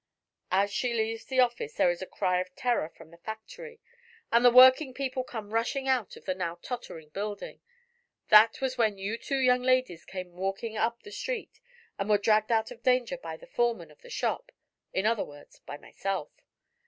"As she leaves the office there is a cry of terror from the factory and the working people come rushing out of the now tottering building. That was when you two young ladies came walking up the street and were dragged out of danger by the foreman of the shop in other words, by myself.